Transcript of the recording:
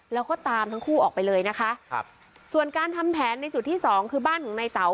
แล้วก็ตามทั้งคู่ออกไปเลยนะคะครับส่วนการทำแผนในจุดที่สองคือบ้านของนายเต๋า